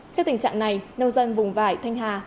trên tình trạng này nâu dân vùng vải thanh hà